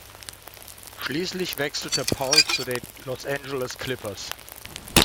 Schließlich wechselte Paul zu den Los Angeles Clippers.